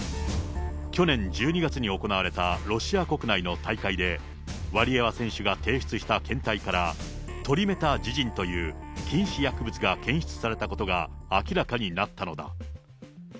去年１２月に行われたロシア国内の大会で、ワリエワ選手が提出した検体から、トリメタジジンという禁止薬物が検出されたことが明らかになったのだ。